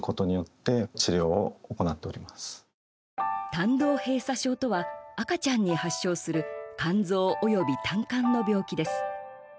胆道閉鎖症とは赤ちゃんに発症する肝臓、および胆管の病気です。